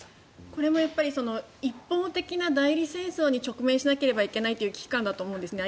これも一方的な代理戦争に直面しなければいけないという危機感だと思うんですね。